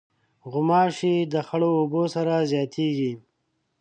غوماشې د خړو اوبو سره زیاتیږي.